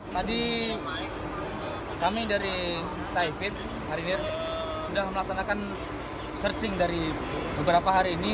tadi kami dari taifit marinir sudah melaksanakan searching dari beberapa hari ini